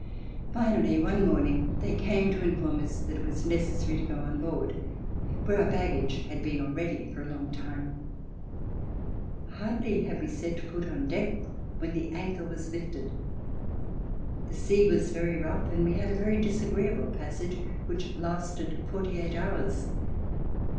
Finally one morning they came to inform us that it was necessary to go on board, where our baggage had been already for a long time. Hardly had we set foot on deck when the anchor was lifted. The sea was very rough and we had a very disagreeable passage which lasted forty eight hours.